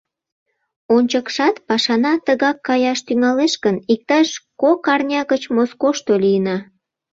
Ончыкшат пашана тыгак каяш тӱҥалеш гын, иктаж кок арня гыч Москошто лийына.